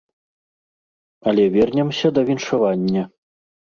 Але вернемся да віншавання.